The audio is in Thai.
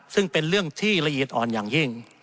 ซึ่งเป็นเรื่องที่ละเอียดอ่อนอย่างยิ่ง